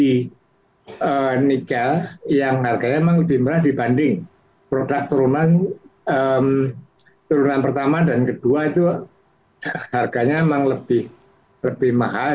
jadi nikel yang harganya memang lebih murah dibanding produk turunan pertama dan kedua itu harganya memang lebih mahal